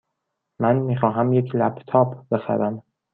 من می خواهم یک لپ تاپ بخرم.